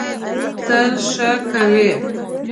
تل ښه کوی.